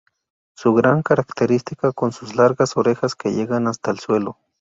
Su gran característica son sus largas orejas que llegan hasta el suelo.